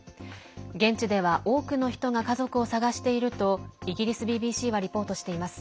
現地では、多くの人が家族を捜しているとイギリスＢＢＣはリポートしています。